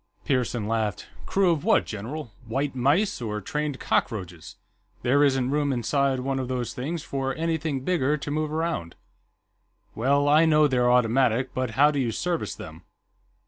Pearson laughed. "Crew of what, general? White mice, or trained cockroaches? There isn't room inside one of those things for anything bigger to move around." "Well, I know they're automatic, but how do you service them?"